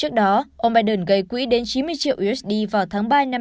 trước đó ông biden gây quỹ đến chín mươi triệu usd vào tháng ba năm hai nghìn hai mươi